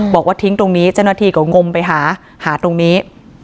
บอกว่าทิ้งตรงนี้เจ้าหน้าที่ก็งมหาหาตรงนี้